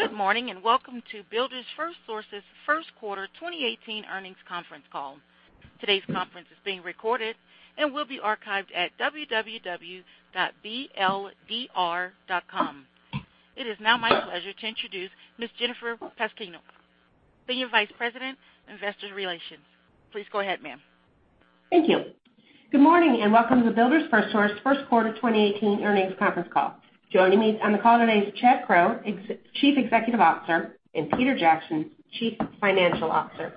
Good morning, welcome to Builders FirstSource's first quarter 2018 earnings conference call. Today's conference is being recorded and will be archived at bldr.com. It is now my pleasure to introduce Ms. Jennifer Pasquino, Senior Vice President, Investor Relations. Please go ahead, ma'am. Thank you. Good morning, welcome to Builders FirstSource first quarter 2018 earnings conference call. Joining me on the call today is Chad Crow, Chief Executive Officer, and Peter Jackson, Chief Financial Officer.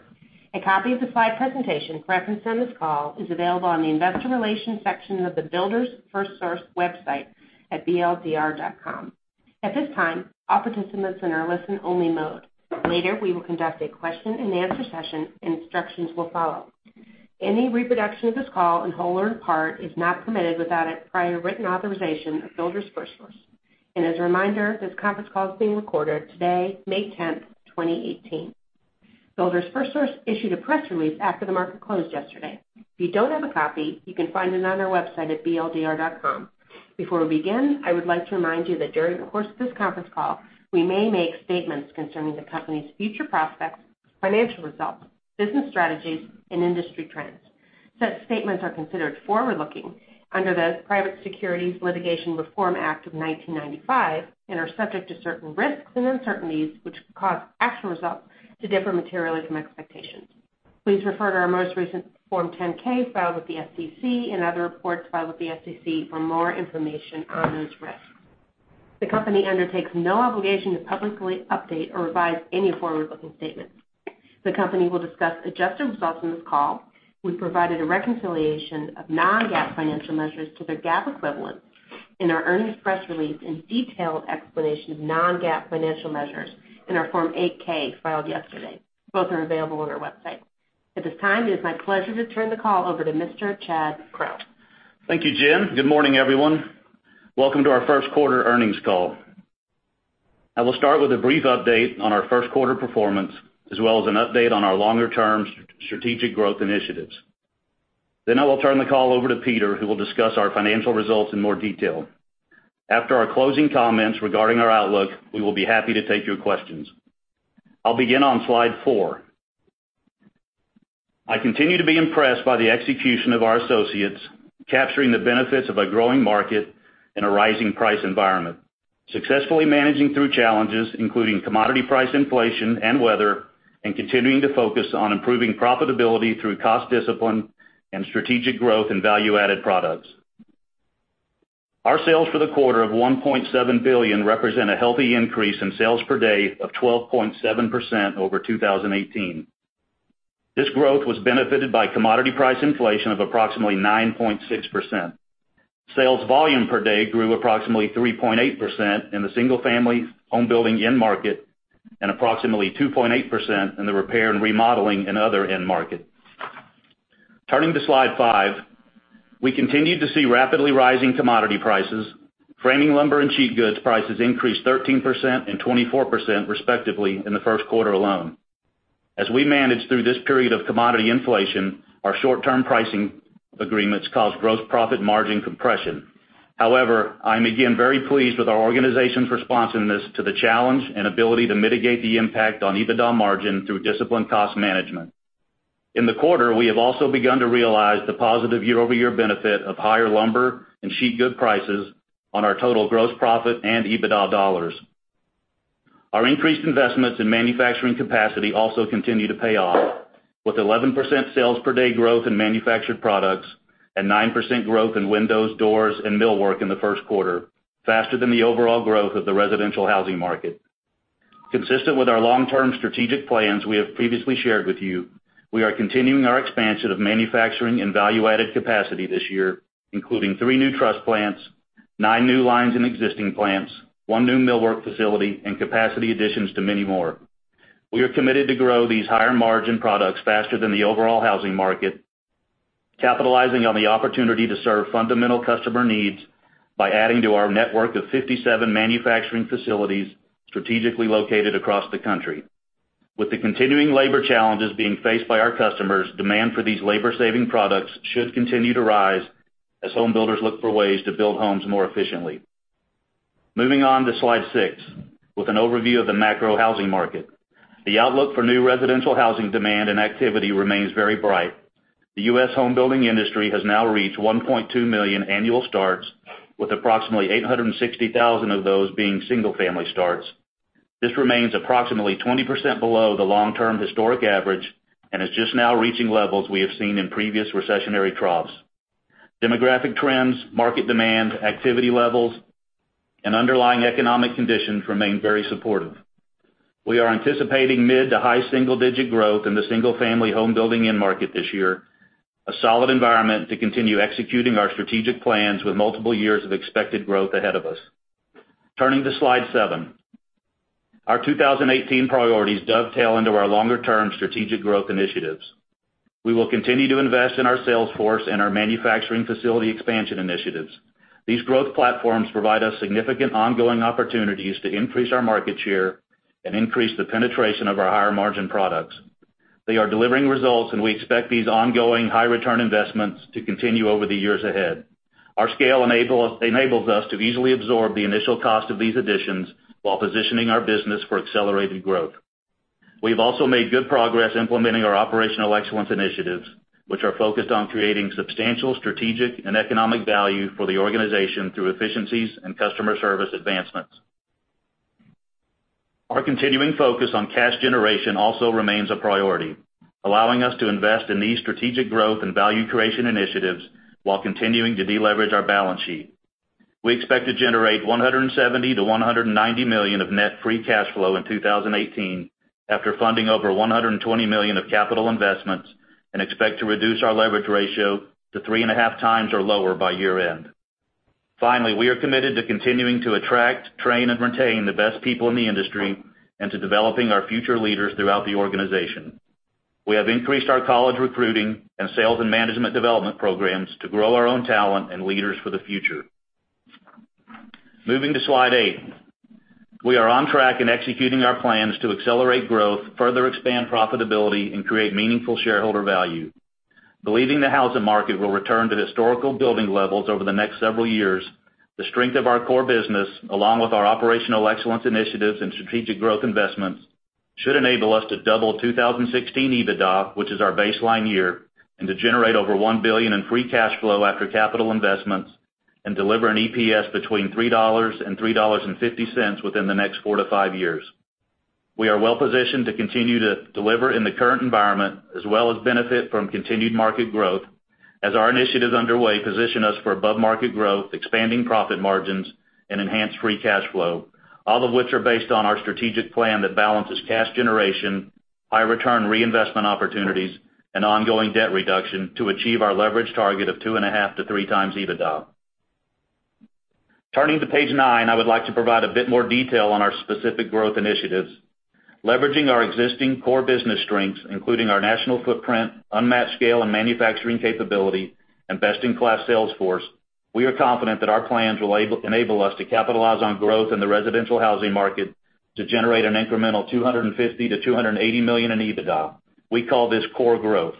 A copy of the slide presentation referenced on this call is available on the investor relations section of the Builders FirstSource website at bldr.com. At this time, all participants are in listen-only mode. Later, we will conduct a question-and-answer session, instructions will follow. Any reproduction of this call in whole or in part is not permitted without prior written authorization of Builders FirstSource. As a reminder, this conference call is being recorded today, May 10th, 2018. Builders FirstSource issued a press release after the market closed yesterday. If you don't have a copy, you can find it on our website at bldr.com. Before we begin, I would like to remind you that during the course of this conference call, we may make statements concerning the company's future prospects, financial results, business strategies, and industry trends. Such statements are considered forward-looking under the Private Securities Litigation Reform Act of 1995 and are subject to certain risks and uncertainties which could cause actual results to differ materially from expectations. Please refer to our most recent Form 10-K filed with the SEC and other reports filed with the SEC for more information on those risks. The company undertakes no obligation to publicly update or revise any forward-looking statements. The company will discuss adjusted results on this call. We provided a reconciliation of non-GAAP financial measures to their GAAP equivalents in our earnings press release and detailed explanation of non-GAAP financial measures in our Form 8-K filed yesterday. Both are available on our website. At this time, it is my pleasure to turn the call over to Mr. Chad Crow. Thank you, Jen. Good morning, everyone. Welcome to our first quarter earnings call. I will start with a brief update on our first quarter performance, as well as an update on our longer-term strategic growth initiatives. Then I will turn the call over to Peter, who will discuss our financial results in more detail. After our closing comments regarding our outlook, we will be happy to take your questions. I'll begin on slide four. I continue to be impressed by the execution of our associates capturing the benefits of a growing market in a rising price environment, successfully managing through challenges, including commodity price inflation and weather, and continuing to focus on improving profitability through cost discipline and strategic growth in value-added products. Our sales for the quarter of $1.7 billion represent a healthy increase in sales per day of 12.7% over 2018. This growth was benefited by commodity price inflation of approximately 9.6%. Sales volume per day grew approximately 3.8% in the single-family home building end market and approximately 2.8% in the repair and remodeling and other end market. Turning to slide five, we continued to see rapidly rising commodity prices. Framing lumber and sheet goods prices increased 13% and 24%, respectively, in the first quarter alone. However, I am again very pleased with our organization's responsiveness to the challenge and ability to mitigate the impact on EBITDA margin through disciplined cost management. In the quarter, we have also begun to realize the positive year-over-year benefit of higher lumber and sheet good prices on our total gross profit and EBITDA dollars. Our increased investments in manufacturing capacity also continue to pay off with 11% sales per day growth in manufactured products and 9% growth in windows, doors, and millwork in the first quarter, faster than the overall growth of the residential housing market. Consistent with our long-term strategic plans we have previously shared with you, we are continuing our expansion of manufacturing and value-added capacity this year, including three new truss plants, nine new lines in existing plants, one new millwork facility, and capacity additions to many more. We are committed to grow these higher-margin products faster than the overall housing market, capitalizing on the opportunity to serve fundamental customer needs by adding to our network of 57 manufacturing facilities strategically located across the country. With the continuing labor challenges being faced by our customers, demand for these labor-saving products should continue to rise as home builders look for ways to build homes more efficiently. Moving on to slide six with an overview of the macro housing market. The outlook for new residential housing demand and activity remains very bright. The U.S. home building industry has now reached 1.2 million annual starts with approximately 860,000 of those being single-family starts. This remains approximately 20% below the long-term historic average and is just now reaching levels we have seen in previous recessionary troughs. Demographic trends, market demand, activity levels, and underlying economic conditions remain very supportive. We are anticipating mid to high single-digit growth in the single-family home building end market this year, a solid environment to continue executing our strategic plans with multiple years of expected growth ahead of us. Turning to slide seven. Our 2018 priorities dovetail into our longer-term strategic growth initiatives. We will continue to invest in our sales force and our manufacturing facility expansion initiatives. These growth platforms provide us significant ongoing opportunities to increase our market share and increase the penetration of our higher-margin products. They are delivering results, and we expect these ongoing high-return investments to continue over the years ahead. Our scale enables us to easily absorb the initial cost of these additions while positioning our business for accelerated growth. We've also made good progress implementing our operational excellence initiatives, which are focused on creating substantial strategic and economic value for the organization through efficiencies and customer service advancements. Our continuing focus on cash generation also remains a priority, allowing us to invest in these strategic growth and value creation initiatives while continuing to deleverage our balance sheet. We expect to generate $170 million-$190 million of net free cash flow in 2018 after funding over $120 million of CapEx, and expect to reduce our leverage ratio to 3.5x or lower by year-end. Finally, we are committed to continuing to attract, train, and retain the best people in the industry and to developing our future leaders throughout the organization. We have increased our college recruiting and sales and management development programs to grow our own talent and leaders for the future. Moving to slide eight. We are on track in executing our plans to accelerate growth, further expand profitability, and create meaningful shareholder value. Believing the housing market will return to historical building levels over the next several years, the strength of our core business, along with our operational excellence initiatives and strategic growth investments, should enable us to double 2016 EBITDA, which is our baseline year, and to generate over $1 billion in free cash flow after CapEx, and deliver an EPS between $3.00-$3.50 within the next four to five years. We are well-positioned to continue to deliver in the current environment as well as benefit from continued market growth as our initiatives underway position us for above-market growth, expanding profit margins, and enhanced free cash flow. All of which are based on our strategic plan that balances cash generation, high return reinvestment opportunities, and ongoing debt reduction to achieve our leverage target of 2.5x-3x EBITDA. Turning to page nine, I would like to provide a bit more detail on our specific growth initiatives. Leveraging our existing core business strengths, including our national footprint, unmatched scale and manufacturing capability, and best-in-class sales force, we are confident that our plans will enable us to capitalize on growth in the residential housing market to generate an incremental $250 million-$280 million in EBITDA. We call this core growth.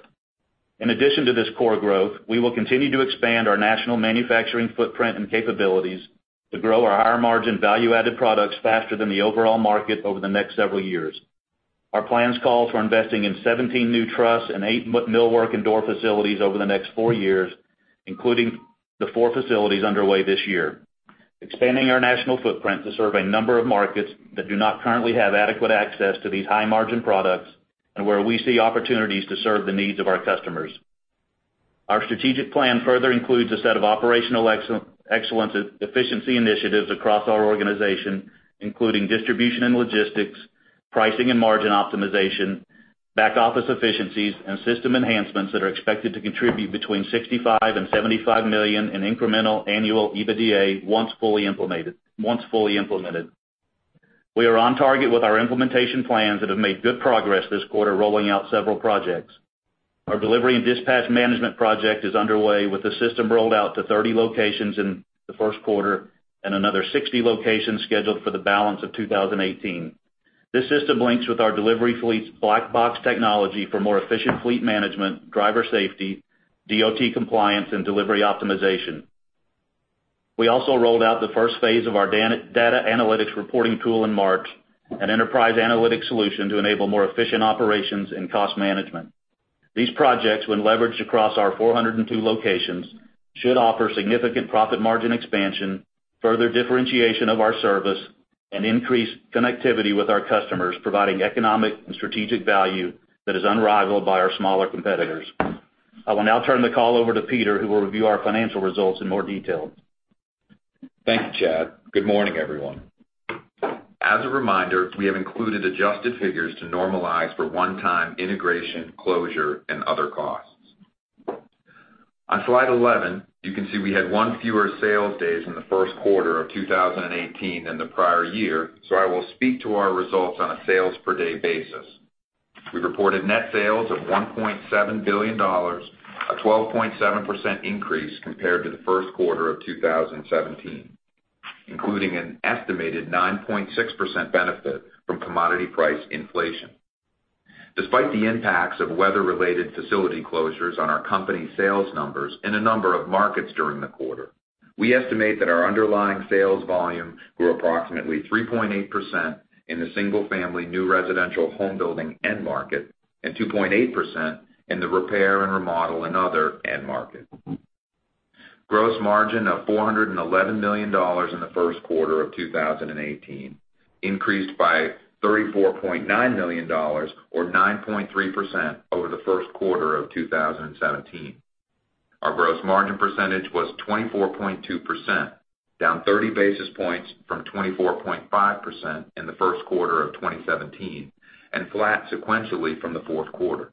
In addition to this core growth, we will continue to expand our national manufacturing footprint and capabilities to grow our higher-margin, value-added products faster than the overall market over the next several years. Our plans call for investing in 17 new trusses and eight millwork and door facilities over the next four years, including the four facilities underway this year. Expanding our national footprint to serve a number of markets that do not currently have adequate access to these high-margin products, and where we see opportunities to serve the needs of our customers. Our strategic plan further includes a set of operational excellence efficiency initiatives across our organization, including distribution and logistics, pricing and margin optimization, back office efficiencies, and system enhancements that are expected to contribute between $65 million and $75 million in incremental annual EBITDA once fully implemented. We are on target with our implementation plans that have made good progress this quarter rolling out several projects. Our delivery and dispatch management project is underway, with the system rolled out to 30 locations in the first quarter and another 60 locations scheduled for the balance of 2018. This system links with our delivery fleet's black box technology for more efficient fleet management, driver safety, DOT compliance, and delivery optimization. We also rolled out the first phase of our data analytics reporting tool in March, an enterprise analytics solution to enable more efficient operations and cost management. These projects, when leveraged across our 402 locations, should offer significant profit margin expansion, further differentiation of our service, and increased connectivity with our customers, providing economic and strategic value that is unrivaled by our smaller competitors. I will now turn the call over to Peter, who will review our financial results in more detail. Thank you, Chad. Good morning, everyone. As a reminder, we have included adjusted figures to normalize for one-time integration, closure, and other costs. On slide 11, you can see we had one fewer sales days in the first quarter of 2018 than the prior year. I will speak to our results on a sales per day basis. We reported net sales of $1.7 billion, a 12.7% increase compared to the first quarter of 2017, including an estimated 9.6% benefit from commodity price inflation. Despite the impacts of weather-related facility closures on our company sales numbers in a number of markets during the quarter, we estimate that our underlying sales volume grew approximately 3.8% in the single-family new residential home building end market and 2.8% in the repair and remodel and other end market. Gross margin of $411 million in the first quarter of 2018 increased by $34.9 million, or 9.3%, over the first quarter of 2017. Our gross margin percentage was 24.2%, down 30 basis points from 24.5% in the first quarter of 2017 and flat sequentially from the fourth quarter.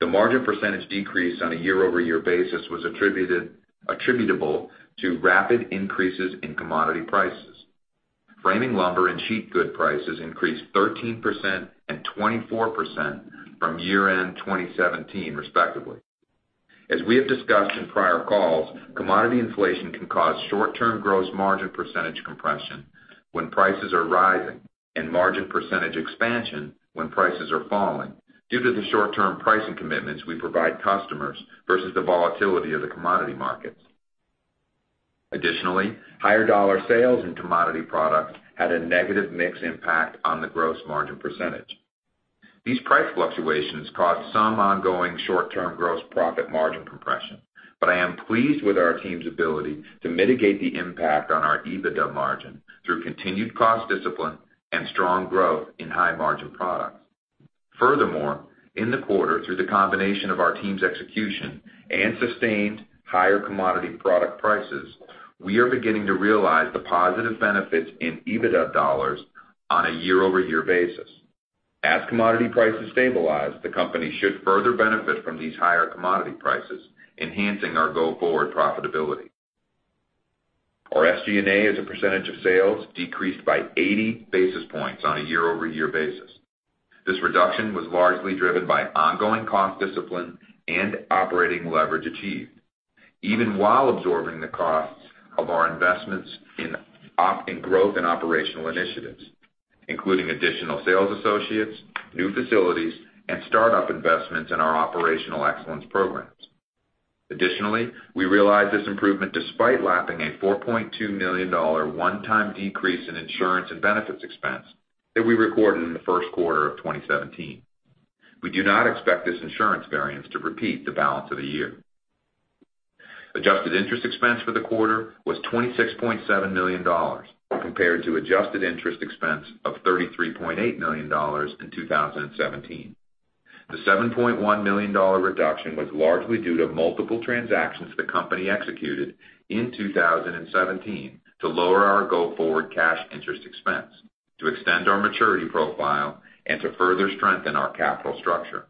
The margin percentage decrease on a year-over-year basis was attributable to rapid increases in commodity prices. Framing lumber and sheet good prices increased 13% and 24% from year-end 2017 respectively. As we have discussed in prior calls, commodity inflation can cause short-term gross margin percentage compression when prices are rising, and margin percentage expansion when prices are falling, due to the short-term pricing commitments we provide customers versus the volatility of the commodity markets. Additionally, higher dollar sales in commodity products had a negative mix impact on the gross margin percentage. These price fluctuations caused some ongoing short-term gross profit margin compression, but I am pleased with our team's ability to mitigate the impact on our EBITDA margin through continued cost discipline and strong growth in high-margin products. Furthermore, in the quarter, through the combination of our team's execution and sustained higher commodity product prices, we are beginning to realize the positive benefits in EBITDA dollars on a year-over-year basis. As commodity prices stabilize, the company should further benefit from these higher commodity prices, enhancing our go-forward profitability. Our SG&A as a percentage of sales decreased by 80 basis points on a year-over-year basis. This reduction was largely driven by ongoing cost discipline and operating leverage achieved, even while absorbing the costs of our investments in growth and operational initiatives, including additional sales associates, new facilities, and startup investments in our operational excellence programs. Additionally, we realized this improvement despite lapping a $4.2 million one-time decrease in insurance and benefits expense that we recorded in the first quarter of 2017. We do not expect this insurance variance to repeat the balance of the year. Adjusted interest expense for the quarter was $26.7 million, compared to adjusted interest expense of $33.8 million in 2017. The $7.1 million reduction was largely due to multiple transactions the company executed in 2017 to lower our go-forward cash interest expense, to extend our maturity profile, and to further strengthen our capital structure.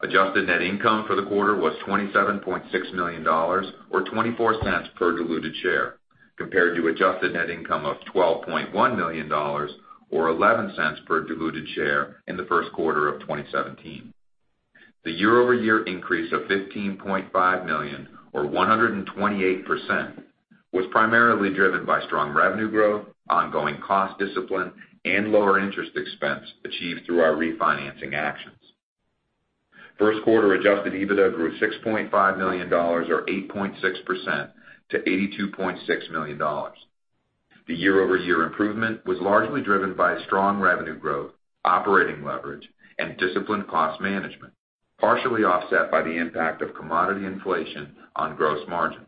Adjusted net income for the quarter was $27.6 million, or $0.24 per diluted share, compared to adjusted net income of $12.1 million, or $0.11 per diluted share in the first quarter of 2017. The year-over-year increase of $15.5 million, or 128%, was primarily driven by strong revenue growth, ongoing cost discipline, and lower interest expense achieved through our refinancing actions. First quarter adjusted EBITDA grew $6.5 million, or 8.6%, to $82.6 million. The year-over-year improvement was largely driven by strong revenue growth, operating leverage, and disciplined cost management, partially offset by the impact of commodity inflation on gross margin,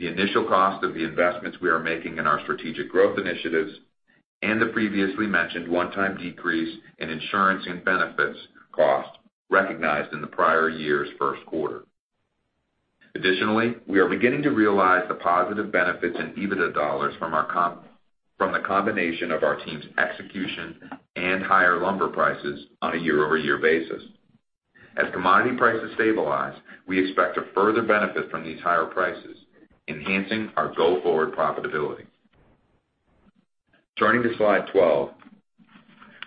the initial cost of the investments we are making in our strategic growth initiatives, and the previously mentioned one-time decrease in insurance and benefits cost recognized in the prior year's first quarter. Additionally, we are beginning to realize the positive benefits in EBITDA dollars from the combination of our team's execution and higher lumber prices on a year-over-year basis. As commodity prices stabilize, we expect to further benefit from these higher prices, enhancing our go-forward profitability. Turning to slide 12,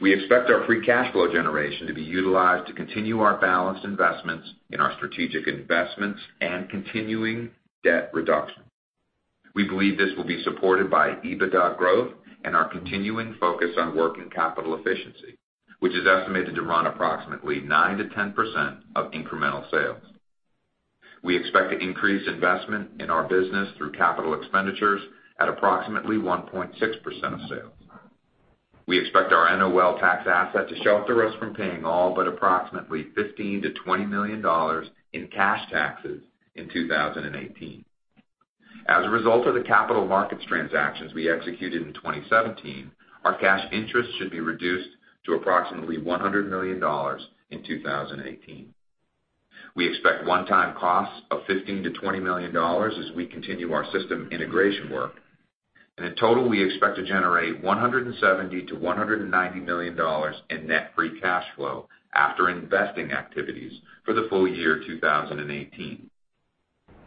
we expect our free cash flow generation to be utilized to continue our balanced investments in our strategic investments and continuing debt reduction. We believe this will be supported by EBITDA growth and our continuing focus on working capital efficiency, which is estimated to run approximately 9%-10% of incremental sales. We expect to increase investment in our business through capital expenditures at approximately 1.6% of sales. We expect our NOL tax asset to shelter us from paying all but approximately $15 million-$20 million in cash taxes in 2018. As a result of the capital markets transactions we executed in 2017, our cash interest should be reduced to approximately $100 million in 2018. We expect one-time costs of $15 million-$20 million as we continue our system integration work. In total, we expect to generate $170 million-$190 million in net free cash flow after investing activities for the full year 2018.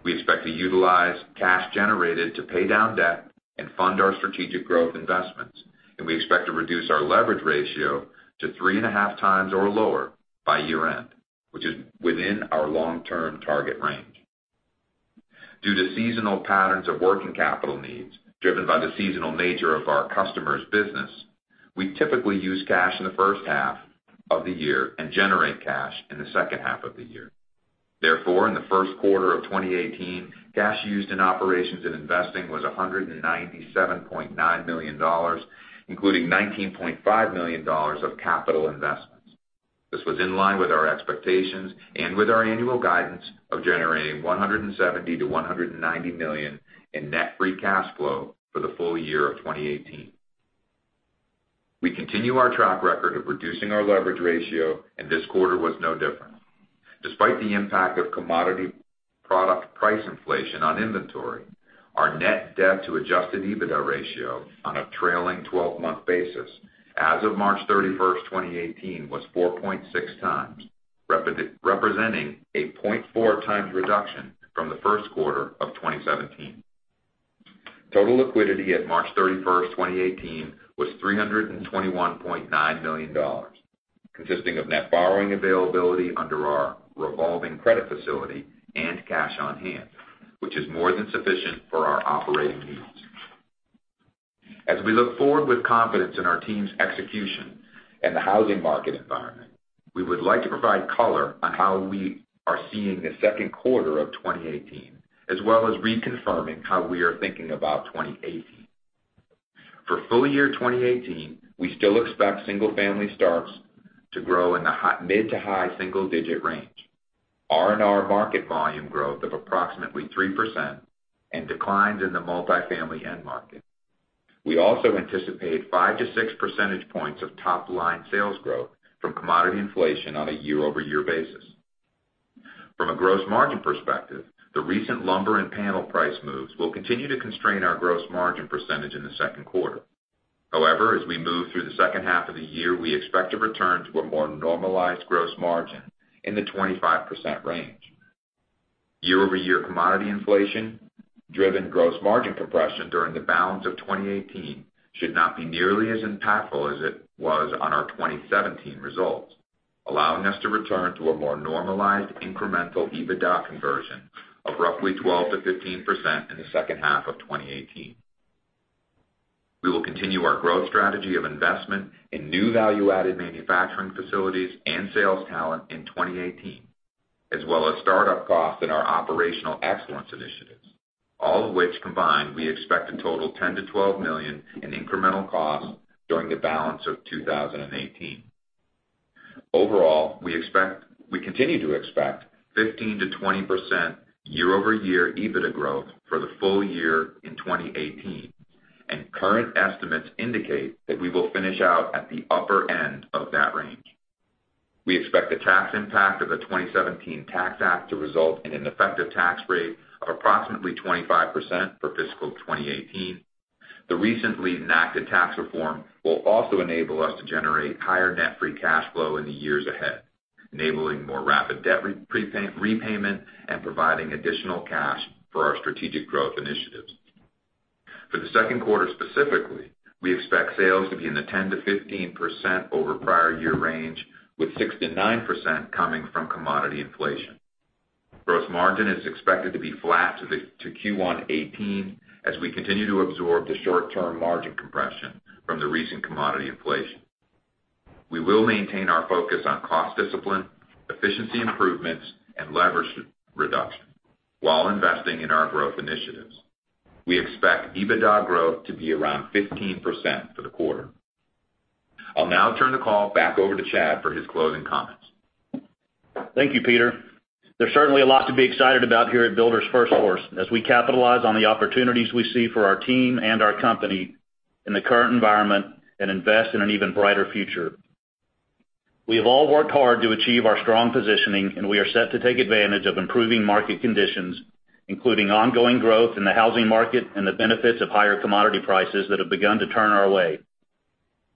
We expect to utilize cash generated to pay down debt and fund our strategic growth investments, and we expect to reduce our leverage ratio to 3.5 times or lower by year-end, which is within our long-term target range. Due to seasonal patterns of working capital needs, driven by the seasonal nature of our customers' business, we typically use cash in the first half of the year and generate cash in the second half of the year. Therefore, in the first quarter of 2018, cash used in operations and investing was $197.9 million, including $19.5 million of capital investments. This was in line with our expectations and with our annual guidance of generating $170 million-$190 million in net free cash flow for the full year of 2018. We continue our track record of reducing our leverage ratio, and this quarter was no different. Despite the impact of commodity product price inflation on inventory, our net debt to adjusted EBITDA ratio on a trailing 12-month basis as of March 31st, 2018, was 4.6 times, representing a 0.4 times reduction from the first quarter of 2017. Total liquidity at March 31st, 2018 was $321.9 million, consisting of net borrowing availability under our revolving credit facility and cash on hand, which is more than sufficient for our operating needs. As we look forward with confidence in our team's execution and the housing market environment, we would like to provide color on how we are seeing the second quarter of 2018, as well as reconfirming how we are thinking about 2018. For full year 2018, we still expect single-family starts to grow in the mid to high single digit range, R&R market volume growth of approximately 3%, and declines in the multi-family end market. We also anticipate five to six percentage points of top-line sales growth from commodity inflation on a year-over-year basis. From a gross margin perspective, the recent lumber and panel price moves will continue to constrain our gross margin percentage in the second quarter. However, as we move through the second half of the year, we expect to return to a more normalized gross margin in the 25% range. Year-over-year commodity inflation driven gross margin compression during the balance of 2018 should not be nearly as impactful as it was on our 2017 results, allowing us to return to a more normalized incremental EBITDA conversion of roughly 12%-15% in the second half of 2018. We will continue our growth strategy of investment in new value-added manufacturing facilities and sales talent in 2018, as well as startup costs in our operational excellence initiatives, all of which combined, we expect to total $10 million-$12 million in incremental costs during the balance of 2018. Overall, we continue to expect 15%-20% year-over-year EBITDA growth for the full year in 2018, and current estimates indicate that we will finish out at the upper end of that range. We expect the tax impact of the 2017 Tax Act to result in an effective tax rate of approximately 25% for fiscal 2018. The recently enacted tax reform will also enable us to generate higher net free cash flow in the years ahead, enabling more rapid debt repayment and providing additional cash for our strategic growth initiatives. For the second quarter specifically, we expect sales to be in the 10%-15% over prior year range, with 6%-9% coming from commodity inflation. Gross margin is expected to be flat to Q1 2018 as we continue to absorb the short-term margin compression from the recent commodity inflation. We will maintain our focus on cost discipline, efficiency improvements, and leverage reduction while investing in our growth initiatives. We expect EBITDA growth to be around 15% for the quarter. I'll now turn the call back over to Chad for his closing comments. Thank you, Peter. There's certainly a lot to be excited about here at Builders FirstSource as we capitalize on the opportunities we see for our team and our company in the current environment and invest in an even brighter future. We have all worked hard to achieve our strong positioning. We are set to take advantage of improving market conditions, including ongoing growth in the housing market and the benefits of higher commodity prices that have begun to turn our way.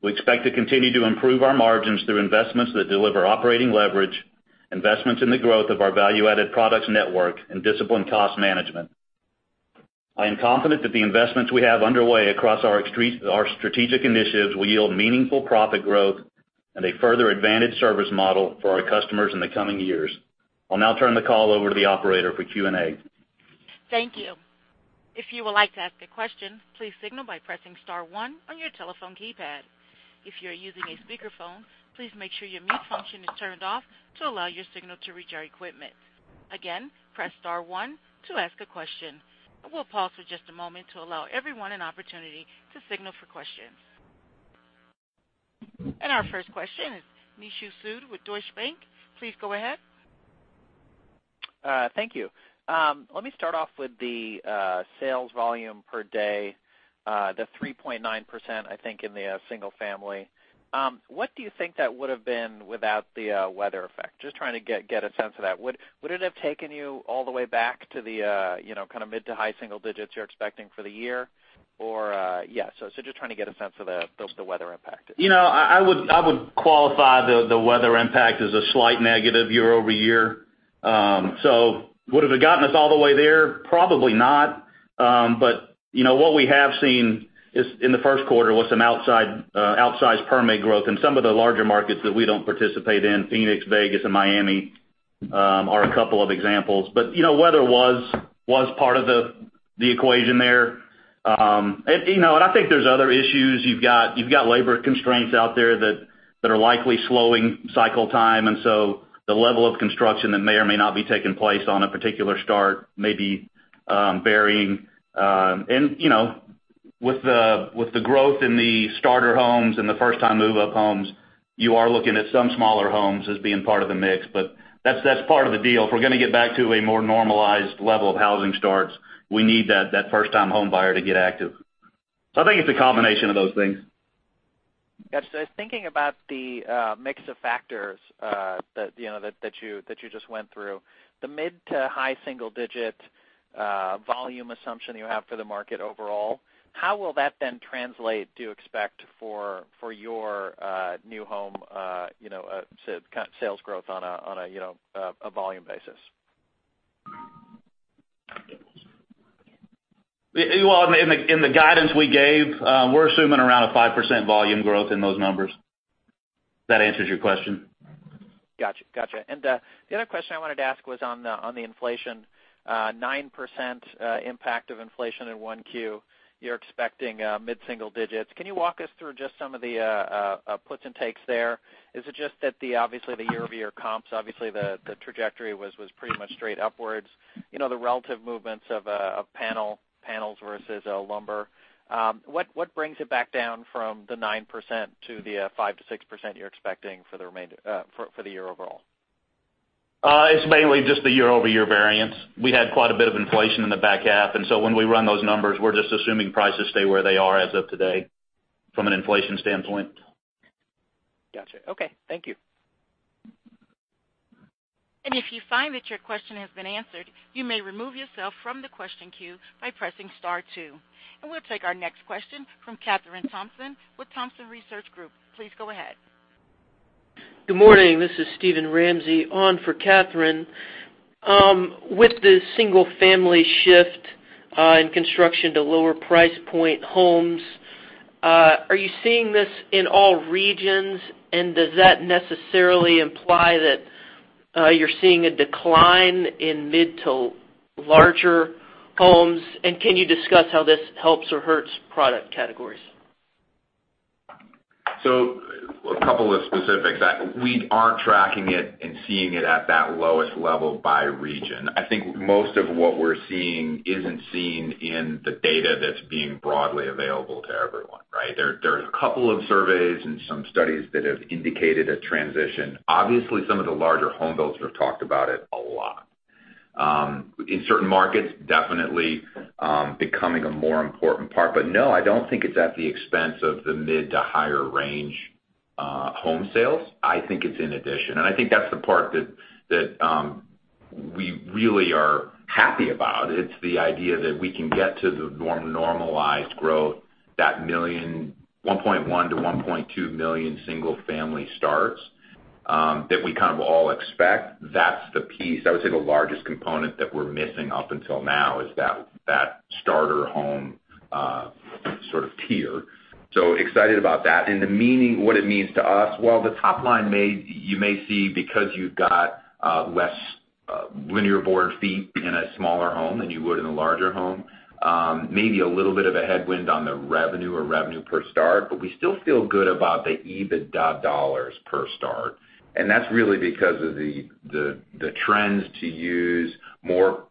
We expect to continue to improve our margins through investments that deliver operating leverage, investments in the growth of our value-added products network, and disciplined cost management. I am confident that the investments we have underway across our strategic initiatives will yield meaningful profit growth and a further advantaged service model for our customers in the coming years. I'll now turn the call over to the operator for Q&A. Thank you. If you would like to ask a question, please signal by pressing star one on your telephone keypad. If you are using a speakerphone, please make sure your mute function is turned off to allow your signal to reach our equipment. Again, press star one to ask a question. I will pause for just a moment to allow everyone an opportunity to signal for questions. Our first question is Nishu Sood with Deutsche Bank. Please go ahead. Thank you. Let me start off with the sales volume per day, the 3.9%, I think in the single family. What do you think that would've been without the weather effect? Just trying to get a sense of that. Would it have taken you all the way back to the mid to high single digits you're expecting for the year or. Just trying to get a sense of the weather impact. I would qualify the weather impact as a slight negative year-over-year. Would have it gotten us all the way there? Probably not. What we have seen is in the first quarter was some outsized permit growth in some of the larger markets that we don't participate in. Phoenix, Vegas, and Miami are a couple of examples. Weather was part of the equation there. I think there's other issues. You've got labor constraints out there that are likely slowing cycle time, the level of construction that may or may not be taking place on a particular start may be varying. With the growth in the starter homes and the first time move-up homes, you are looking at some smaller homes as being part of the mix, that's part of the deal. If we're going to get back to a more normalized level of housing starts, we need that first-time home buyer to get active. I think it's a combination of those things. Got you. Thinking about the mix of factors that you just went through, the mid-to-high single-digit volume assumption you have for the market overall. How will that then translate, do you expect, for your new home sales growth on a volume basis? In the guidance we gave, we're assuming around a 5% volume growth in those numbers. If that answers your question. Gotcha. The other question I wanted to ask was on the inflation. 9% impact of inflation in one Q, you're expecting mid-single digits. Can you walk us through just some of the puts and takes there? Is it just that, obviously the year-over-year comps, obviously the trajectory was pretty much straight upwards, the relative movements of panels versus lumber. What brings it back down from the 9% to the 5%-6% you're expecting for the year overall? It's mainly just the year-over-year variance. We had quite a bit of inflation in the back half, when we run those numbers, we're just assuming prices stay where they are as of today from an inflation standpoint. Gotcha. Okay. Thank you. If you find that your question has been answered, you may remove yourself from the question queue by pressing star two. We'll take our next question from Kathryn Thompson with Thompson Research Group. Please go ahead. Good morning. This is Stephen Ramsey on for Kathryn. With the single-family shift in construction to lower price point homes, are you seeing this in all regions? Does that necessarily imply that you're seeing a decline in mid to larger homes? Can you discuss how this helps or hurts product categories? A couple of specifics. We aren't tracking it and seeing it at that lowest level by region. I think most of what we're seeing isn't seen in the data that's being broadly available to everyone, right? There are a couple of surveys and some studies that have indicated a transition. Obviously, some of the larger home builders have talked about it a lot. In certain markets, definitely becoming a more important part. No, I don't think it's at the expense of the mid to higher range home sales. I think it's in addition, and I think that's the part that we really are happy about. It's the idea that we can get to the normalized growth, that 1.1 million-1.2 million single-family starts that we kind of all expect. That's the piece, I would say the largest component that we're missing up until now is that starter home sort of tier. Excited about that. What it means to us, while the top line you may see, because you've got less linear board feet in a smaller home than you would in a larger home, maybe a little bit of a headwind on the revenue or revenue per start, we still feel good about the EBITDA dollars per start. That's really because of the trends to use more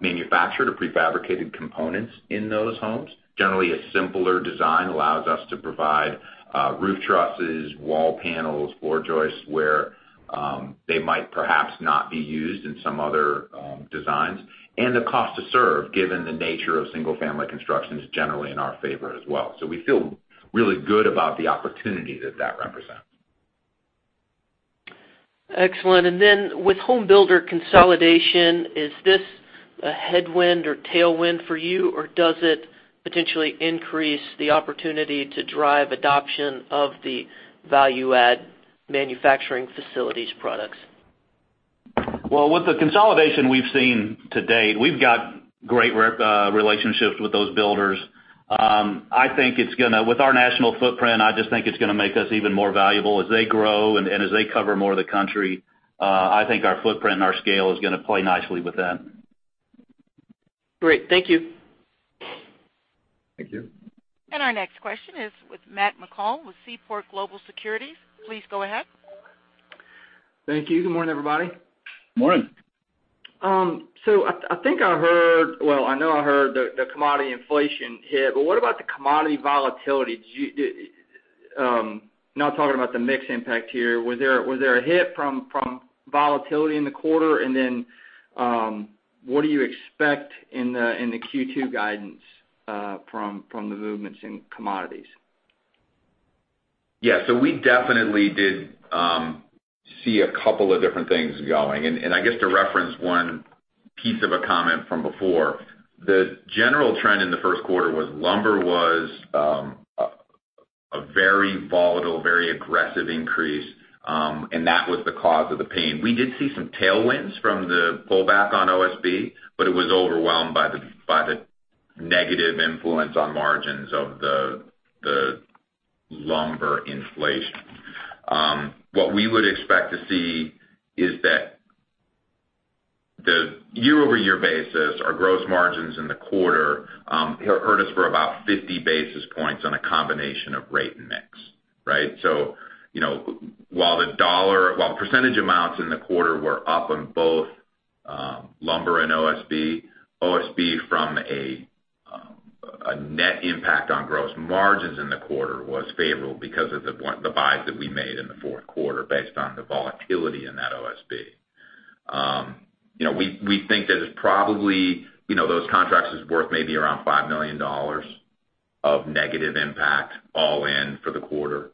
manufactured or prefabricated components in those homes. Generally, a simpler design allows us to provide roof trusses, wall panels, floor joists, where they might perhaps not be used in some other designs. The cost to serve, given the nature of single-family construction, is generally in our favor as well. We feel really good about the opportunity that that represents. Excellent. With home builder consolidation, is this a headwind or tailwind for you, or does it potentially increase the opportunity to drive adoption of the value-add manufacturing facilities products? With the consolidation we've seen to date, we've got great relationships with those builders. With our national footprint, I just think it's going to make us even more valuable as they grow and as they cover more of the country. I think our footprint and our scale is going to play nicely with that. Great. Thank you. Thank you. Our next question is with Matt McCall with Seaport Global Securities. Please go ahead. Thank you. Good morning, everybody. Morning. I know I heard the commodity inflation hit, but what about the commodity volatility? Not talking about the mix impact here. Was there a hit from volatility in the quarter, and then what do you expect in the Q2 guidance from the movements in commodities? Yeah. We definitely did see a couple of different things going. I guess to reference one piece of a comment from before, the general trend in the first quarter was lumber was a very volatile, very aggressive increase, and that was the cause of the pain. We did see some tailwinds from the pullback on OSB, but it was overwhelmed by the negative influence on margins of the lumber inflation. What we would expect to see is that the year-over-year basis, our gross margins in the quarter hurt us for about 50 basis points on a combination of rate and mix, right. While the percentage amounts in the quarter were up on both lumber and OSB from a net impact on gross margins in the quarter was favorable because of the buys that we made in the fourth quarter based on the volatility in that OSB. We think that it's probably those contracts is worth maybe around $5 million of negative impact all in for the quarter.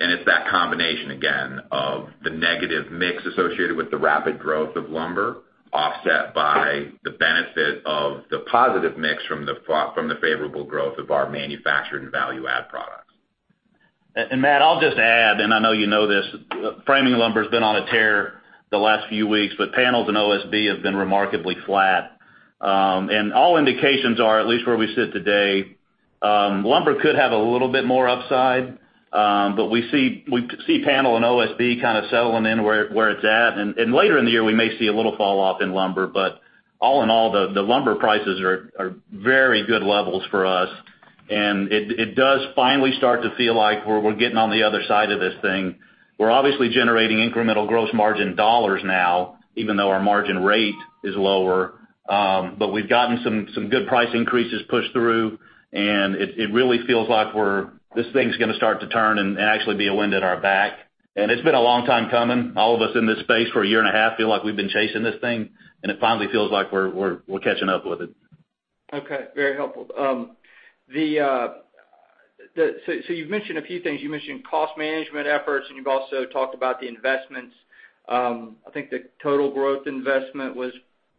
It's that combination again of the negative mix associated with the rapid growth of lumber offset by the benefit of the positive mix from the favorable growth of our manufactured and value-add products. Matt, I'll just add, and I know you know this, framing lumber's been on a tear the last few weeks, but panels and OSB have been remarkably flat. All indications are, at least where we sit today, lumber could have a little bit more upside. We see panel and OSB kind of settling in where it's at. Later in the year, we may see a little fall off in lumber. All in all, the lumber prices are very good levels for us. It does finally start to feel like we're getting on the other side of this thing. We're obviously generating incremental gross margin dollars now, even though our margin rate is lower. We've gotten some good price increases pushed through, and it really feels like this thing's going to start to turn and actually be a wind at our back. It's been a long time coming. All of us in this space for a year and a half feel like we've been chasing this thing, and it finally feels like we're catching up with it. Okay. Very helpful. You've mentioned a few things. You mentioned cost management efforts, you've also talked about the investments. I think the total growth investment was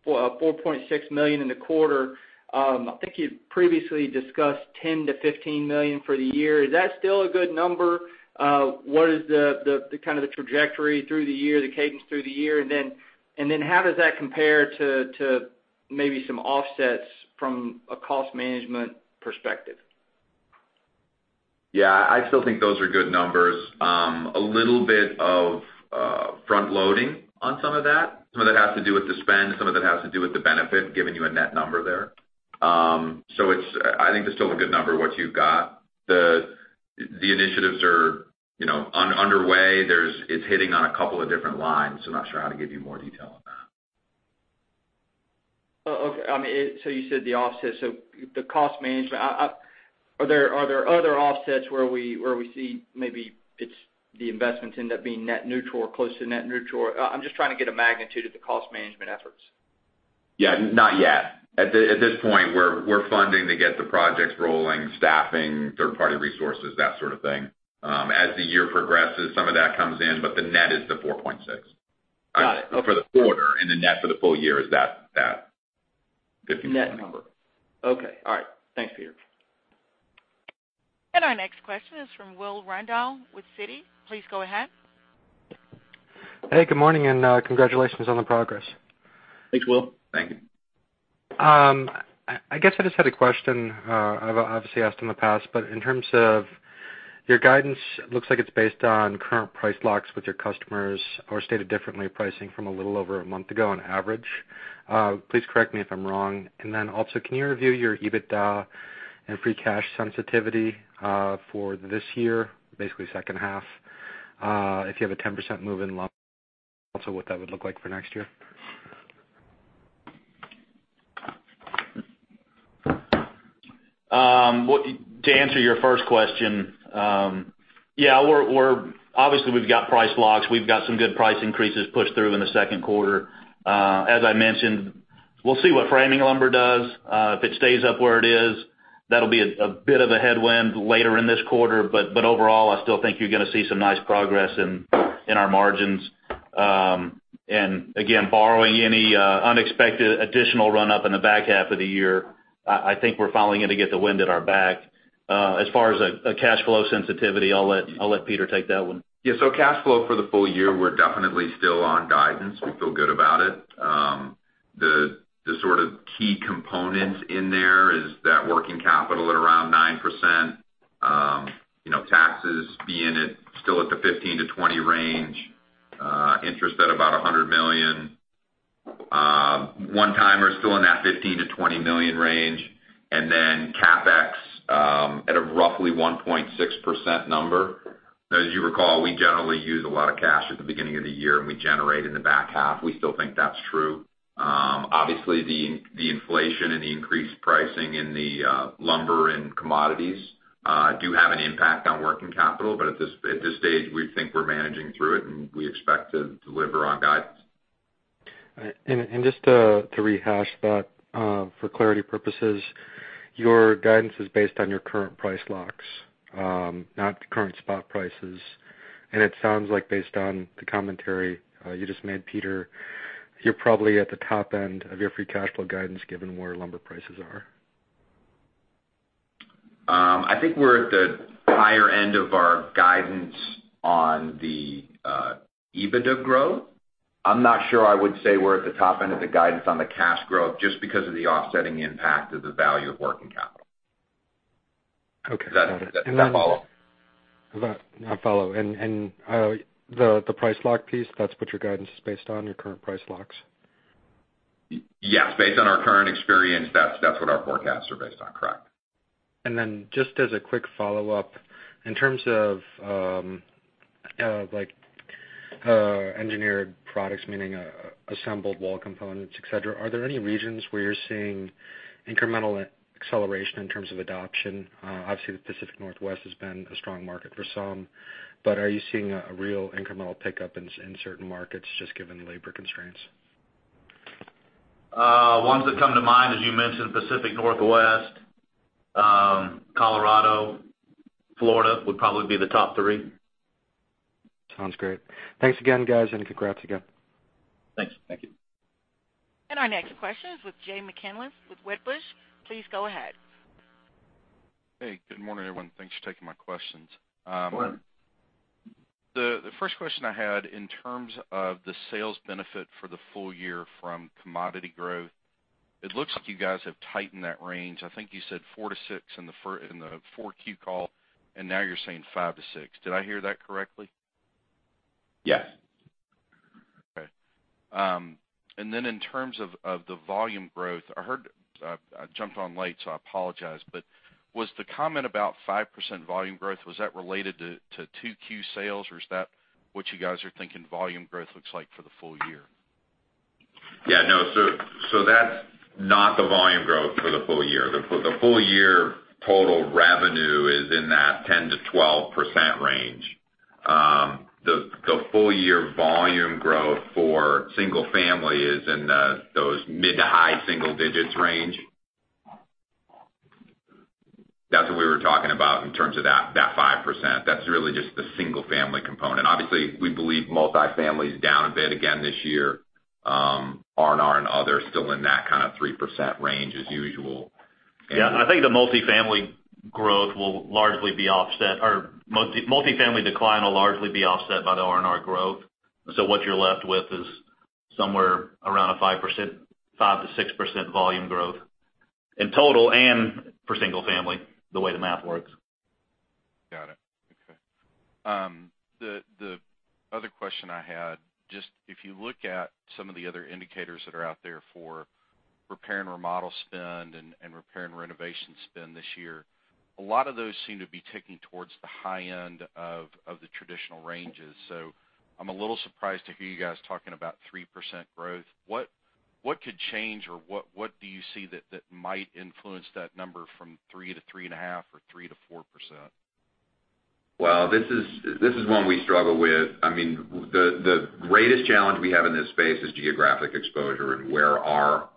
$4.6 million in the quarter. I think you previously discussed $10 million-$15 million for the year. Is that still a good number? What is the kind of the trajectory through the year, the cadence through the year? Then how does that compare to maybe some offsets from a cost management perspective? Yeah, I still think those are good numbers. A little bit of front-loading on some of that. Some of that has to do with the spend, some of it has to do with the benefit, giving you a net number there. I think it's still a good number, what you've got. The initiatives are underway. It's hitting on a couple of different lines. I'm not sure how to give you more detail on that. Okay. You said the offset, so the cost management. Are there other offsets where we see maybe it's the investments end up being net neutral or close to net neutral, or I'm just trying to get a magnitude of the cost management efforts. Yeah. Not yet. At this point, we're funding to get the projects rolling, staffing, third-party resources, that sort of thing. As the year progresses, some of that comes in, but the net is $4.6. Got it. Okay. For the quarter. The net for the full year is that $15 million. Net number. Okay. All right. Thanks, Peter. Our next question is from Will Randow with Citi. Please go ahead. Hey, good morning, congratulations on the progress. Thanks, Will. Thank you. I guess I just had a question. I've obviously asked in the past, but in terms of your guidance, looks like it's based on current price locks with your customers, or stated differently, pricing from a little over a month ago on average. Please correct me if I'm wrong. Also, can you review your EBITDA and free cash sensitivity for this year, basically second half, if you have a 10% move in lumber? Also what that would look like for next year? To answer your first question, obviously we've got price locks. We've got some good price increases pushed through in the second quarter. As I mentioned, we'll see what framing lumber does. If it stays up where it is, that'll be a bit of a headwind later in this quarter. Overall, I still think you're going to see some nice progress in our margins. Again, borrowing any unexpected additional run-up in the back half of the year, I think we're finally going to get the wind at our back. As far as a cash flow sensitivity, I'll let Peter take that one. Yeah. Cash flow for the full year, we're definitely still on guidance. We feel good about it. The sort of key component in there is that working capital at around 9%, taxes being still at the 15%-20% range, interest at about $100 million. One-timers still in that $15 million-$20 million range, CapEx at a roughly 1.6% number. As you recall, we generally use a lot of cash at the beginning of the year, and we generate in the back half. We still think that's true. Obviously, the inflation and the increased pricing in the lumber and commodities do have an impact on working capital. At this stage, we think we're managing through it, and we expect to deliver on guidance. Just to rehash that for clarity purposes, your guidance is based on your current price locks, not the current spot prices. It sounds like based on the commentary you just made, Peter, you're probably at the top end of your free cash flow guidance given where lumber prices are. I think we're at the higher end of our guidance on the EBITDA growth. I'm not sure I would say we're at the top end of the guidance on the cash growth just because of the offsetting impact of the value of working capital. Okay. Got it. Does that follow? That follow. The price lock piece, that's what your guidance is based on, your current price locks? Yes. Based on our current experience, that's what our forecasts are based on. Correct. Just as a quick follow-up, in terms of engineered products, meaning assembled wall components, et cetera, are there any regions where you're seeing incremental acceleration in terms of adoption? Obviously, the Pacific Northwest has been a strong market for some, but are you seeing a real incremental pickup in certain markets just given labor constraints? Ones that come to mind, as you mentioned, Pacific Northwest, Colorado, Florida would probably be the top three. Sounds great. Thanks again, guys, and congrats again. Thanks. Thank you. Our next question is with Jay McCanless with Wedbush. Please go ahead. Hey, good morning, everyone. Thanks for taking my questions. Go ahead. The first question I had, in terms of the sales benefit for the full year from commodity growth, it looks like you guys have tightened that range. I think you said 4%-6% in the 4Q call, and now you're saying 5%-6%. Did I hear that correctly? Yes. Okay. Then in terms of the volume growth, I jumped on late, so I apologize, but was the comment about 5% volume growth, was that related to 2Q sales, or is that what you guys are thinking volume growth looks like for the full year? Yeah, no. That's not the volume growth for the full year. The full year total revenue is in that 10%-12% range. The full year volume growth for single family is in those mid to high single digits range. That's what we were talking about in terms of that 5%. That's really just the single family component. Obviously, we believe multifamily is down a bit again this year. R&R and other still in that kind of 3% range as usual. Yeah, I think the multifamily decline will largely be offset by the R&R growth. What you're left with is somewhere around a 5%-6% volume growth in total and for single family, the way the math works. Got it. Okay. The other question I had, just if you look at some of the other indicators that are out there for repair and remodel spend and repair and renovation spend this year, a lot of those seem to be ticking towards the high end of the traditional ranges. I'm a little surprised to hear you guys talking about 3% growth. What could change, or what do you see that might influence that number from 3% to 3.5% or 3%-4%? Well, this is one we struggle with. The greatest challenge we have in this space is geographic exposure and where our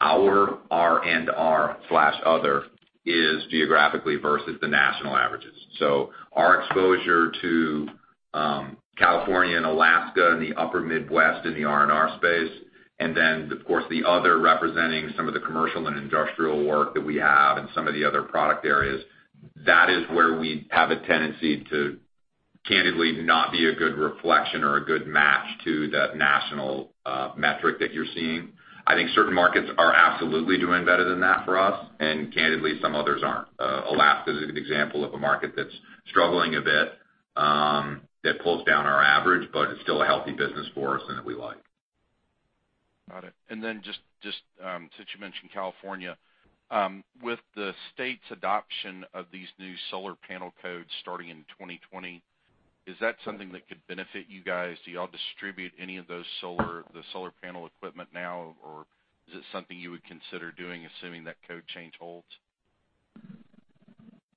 R&R/other is geographically versus the national averages. Our exposure to California and Alaska and the upper Midwest in the R&R space, and then of course the other representing some of the commercial and industrial work that we have and some of the other product areas, that is where we have a tendency to candidly not be a good reflection or a good match to the national metric that you're seeing. I think certain markets are absolutely doing better than that for us, and candidly, some others aren't. Alaska is a good example of a market that's struggling a bit, that pulls down our average, but it's still a healthy business for us and that we like. Got it. Then just since you mentioned California, with the state's adoption of these new solar panel codes starting in 2020, is that something that could benefit you guys? Do y'all distribute any of the solar panel equipment now, or is it something you would consider doing, assuming that code change holds?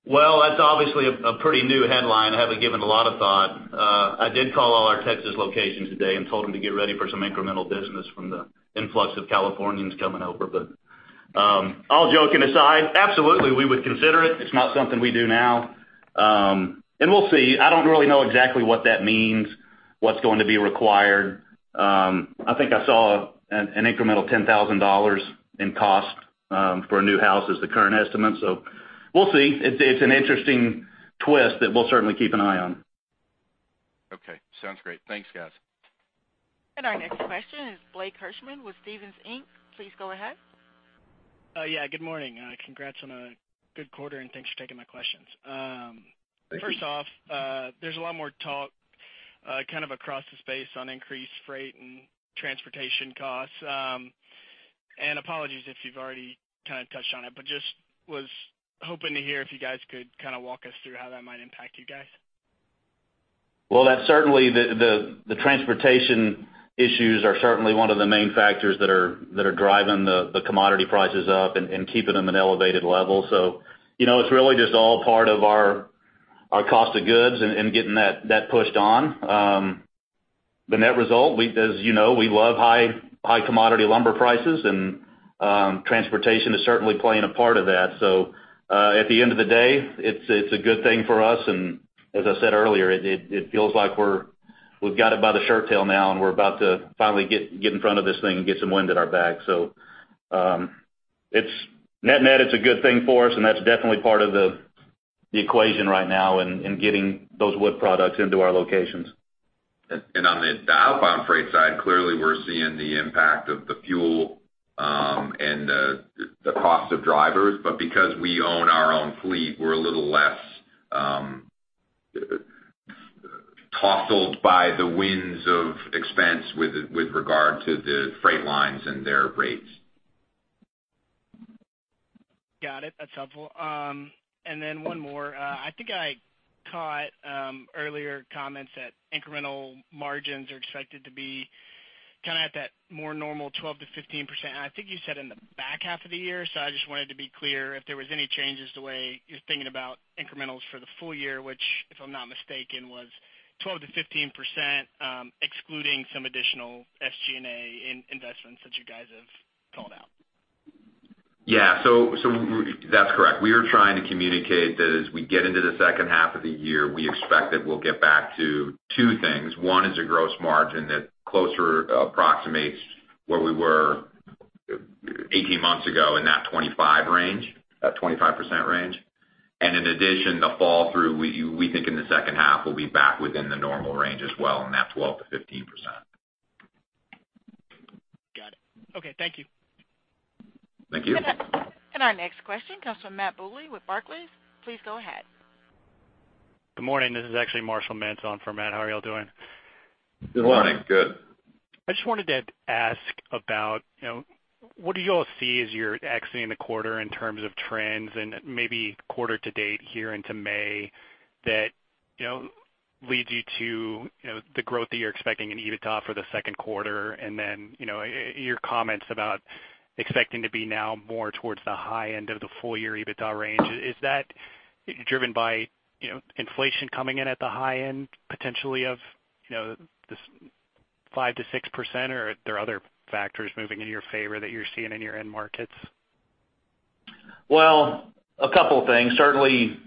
Well, that's obviously a pretty new headline. I haven't given a lot of thought. I did call all our Texas locations today and told them to get ready for some incremental business from the influx of Californians coming over. All joking aside, absolutely, we would consider it. It's not something we do now. We'll see. I don't really know exactly what that means, what's going to be required. I think I saw an incremental $10,000 in cost for a new house is the current estimate, so we'll see. It's an interesting twist that we'll certainly keep an eye on. Okay, sounds great. Thanks, guys. Our next question is Blake Hirschman with Stephens Inc. Please go ahead. Yeah, good morning. Congrats on a good quarter. Thanks for taking my questions. Thank you. First off, there's a lot more talk kind of across the space on increased freight and transportation costs. Apologies if you've already kind of touched on it, but just was hoping to hear if you guys could kind of walk us through how that might impact you guys. Well, certainly the transportation issues are certainly one of the main factors that are driving the commodity prices up and keeping them at an elevated level. It's really just all part of our cost of goods and getting that pushed on. The net result, as you know, we love high commodity lumber prices, and transportation is certainly playing a part of that. At the end of the day, it's a good thing for us, and as I said earlier, it feels like we've got it by the shirt tail now, and we're about to finally get in front of this thing and get some wind at our back. Net, it's a good thing for us, and that's definitely part of the equation right now in getting those wood products into our locations. On the outbound freight side, clearly we're seeing the impact of the fuel and the cost of drivers. Because we own our own fleet, we're a little less tussled by the winds of expense with regard to the freight lines and their rates. Got it. That's helpful. One more. I think I caught earlier comments that incremental margins are expected to be kind of at that more normal 12%-15%, and I think you said in the back half of the year. I just wanted to be clear if there was any changes to the way you're thinking about incrementals for the full year, which, if I'm not mistaken, was 12%-15%, excluding some additional SG&A investments that you guys have called out. Yeah. That's correct. We are trying to communicate that as we get into the second half of the year, we expect that we'll get back to two things. One is a gross margin that closer approximates where we were 18 months ago in that 25 range, that 25% range. In addition, the fall through, we think in the second half, we'll be back within the normal range as well in that 12%-15%. Got it. Okay. Thank you. Thank you. Our next question comes from Matthew Bouley with Barclays. Please go ahead. Good morning. This is actually Marshall Menton for Matt. How are you all doing? Good morning. Good morning. Good. I just wanted to ask about, what do you all see as you're exiting the quarter in terms of trends and maybe quarter to date here into May that leads you to the growth that you're expecting in EBITDA for the second quarter. Your comments about expecting to be now more towards the high end of the full-year EBITDA range. Is that driven by inflation coming in at the high end, potentially of this 5%-6%, or are there other factors moving into your favor that you're seeing in your end markets? Well, a couple things. Certainly,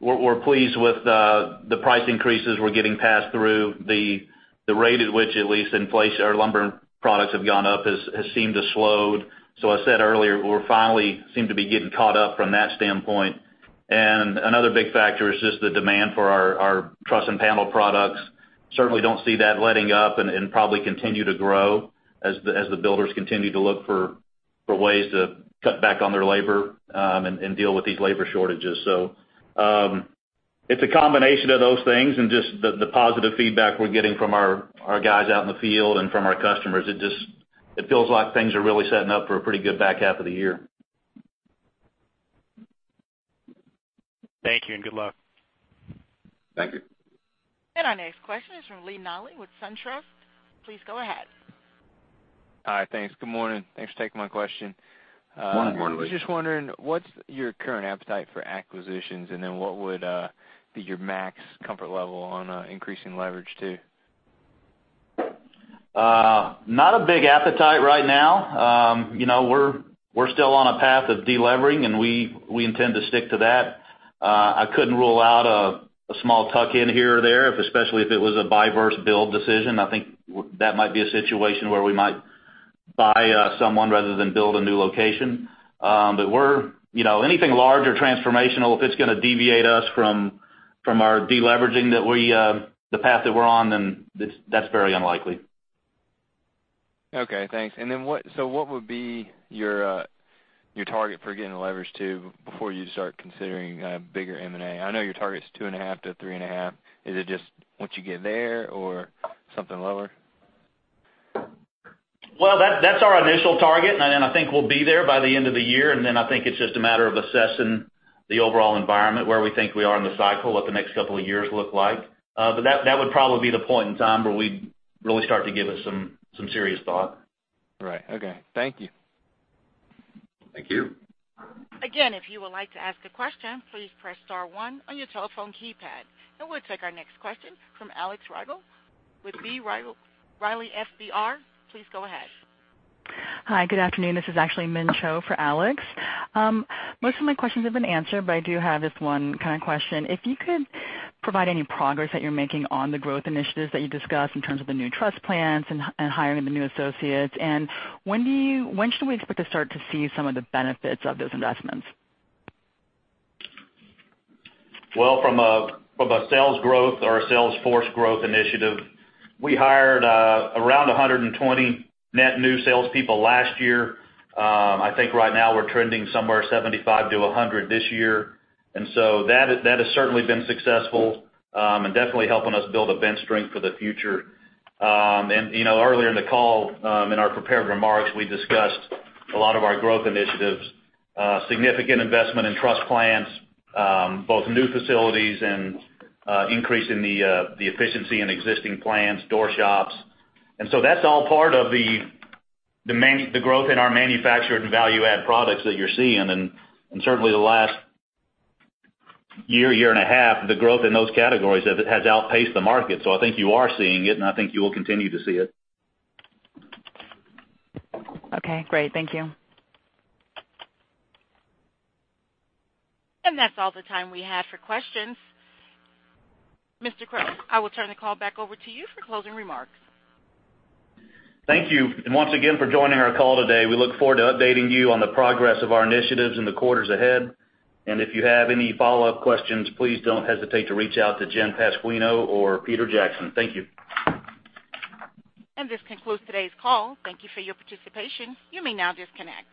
we're pleased with the price increases we're getting passed through. The rate at which, at least lumber products have gone up has seemed to slowed. I said earlier, we finally seem to be getting caught up from that standpoint. Another big factor is just the demand for our truss and panel products. Certainly don't see that letting up and probably continue to grow as the builders continue to look for ways to cut back on their labor, and deal with these labor shortages. It's a combination of those things and just the positive feedback we're getting from our guys out in the field and from our customers. It feels like things are really setting up for a pretty good back half of the year. Thank you. Good luck. Thank you. Our next question is from Keith Nolley with SunTrust. Please go ahead. All right. Thanks. Good morning. Thanks for taking my question. Good morning, Keith. I was just wondering, what's your current appetite for acquisitions, then what would be your max comfort level on increasing leverage too? Not a big appetite right now. We're still on a path of de-levering, and we intend to stick to that. I couldn't rule out a small tuck-in here or there, especially if it was a buy versus build decision. I think that might be a situation where we might buy someone rather than build a new location. Anything large or transformational, if it's going to deviate us from our de-leveraging, the path that we're on, then that's very unlikely. Okay, thanks. What would be your target for getting the leverage to before you start considering a bigger M&A? I know your target's 2.5-3.5. Is it just once you get there or something lower? Well, that's our initial target, and I think we'll be there by the end of the year. I think it's just a matter of assessing the overall environment, where we think we are in the cycle, what the next couple of years look like. That would probably be the point in time where we'd really start to give it some serious thought. Right. Okay. Thank you. Thank you. Again, if you would like to ask a question, please press star one on your telephone keypad. We'll take our next question from Alex Rygiel with B. Riley FBR. Please go ahead. Hi, good afternoon. This is actually Min Cho for Alex. Most of my questions have been answered, but I do have this one kind of question. If you could provide any progress that you're making on the growth initiatives that you discussed in terms of the new truss plants and hiring the new associates, and when should we expect to start to see some of the benefits of those investments? Well, from a sales growth or a sales force growth initiative, we hired around 120 net new salespeople last year. I think right now we're trending somewhere 75 to 100 this year. That has certainly been successful, and definitely helping us build a bench strength for the future. Earlier in the call, in our prepared remarks, we discussed a lot of our growth initiatives, significant investment in truss plants, both new facilities and increase in the efficiency in existing plants, door shops. That's all part of the growth in our manufactured and value-add products that you're seeing. Certainly the last year and a half, the growth in those categories has outpaced the market. I think you are seeing it, and I think you will continue to see it. Okay, great. Thank you. That's all the time we had for questions. Mr. Crow, I will turn the call back over to you for closing remarks. Thank you once again for joining our call today. We look forward to updating you on the progress of our initiatives in the quarters ahead. If you have any follow-up questions, please don't hesitate to reach out to Jennifer Pasquino or Peter Jackson. Thank you. This concludes today's call. Thank you for your participation. You may now disconnect.